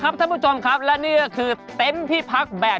ตามแอฟผู้ชมห้องน้ำด้านนอกกันเลยดีกว่าครับ